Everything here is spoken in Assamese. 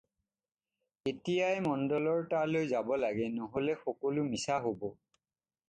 এতিয়াই মণ্ডলৰ তালৈ যাব লাগে নহ'লে সকলো মিছা হ'ব।